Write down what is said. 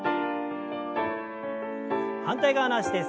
反対側の脚です。